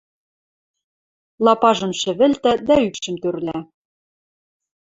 Лапажым шӹвӹльтӓ дӓ ӱпшӹм тӧрлӓ.